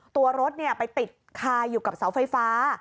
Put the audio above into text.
ตัวรถไปติดคาอยู่กับเสาไฟฟ้า